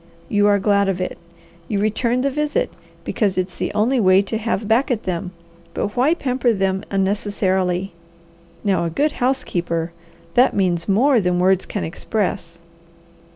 You are glad of it. You return the visit, because it's the only way to have back at them; but why pamper them unnecessarily? Now a good housekeeper, that means more than words can express.